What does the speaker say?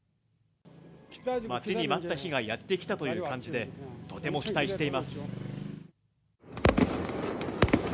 待ちに待った日がやって来たという感じで、とても期待しています。